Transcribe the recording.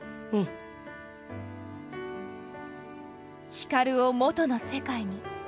光を元の世界に。